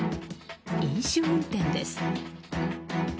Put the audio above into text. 飲酒運転です。